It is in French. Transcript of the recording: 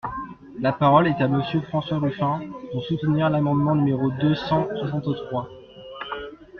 La parole est à Monsieur François Ruffin, pour soutenir l’amendement numéro deux cent soixante-trois.